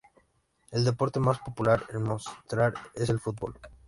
El deporte más popular en Mostar es el fútbol.